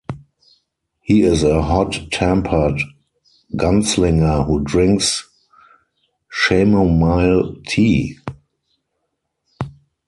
He is a hot-tempered gunslinger who drinks chamomile tea.